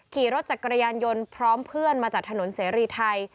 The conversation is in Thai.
ขี่รถจักรยานยนต์พร้อมเพื่อนมาจากถนนเสรีไทย